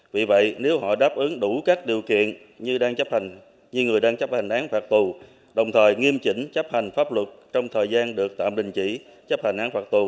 vì vậy nếu họ đáp ứng đủ các điều kiện như người đang chấp hành án phạt tù đồng thời nghiêm chỉnh chấp hành pháp luật trong thời gian được tạm đình chỉ chấp hành án phạt tù